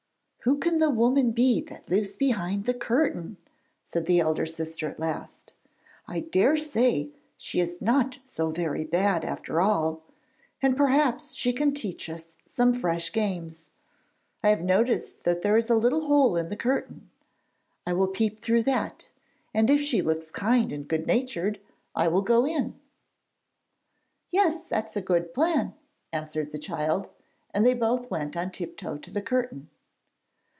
'Who can the woman be that lives behind the curtain?' said the elder sister at last. 'I daresay she is not so very bad after all, and perhaps she can teach us some fresh games. I have noticed that there is a little hole in the curtain; I will peep through that, and if she looks kind and good natured, I will go in.' 'Yes; that is a good plan,' answered the child, and they both went on tiptoe to the curtain.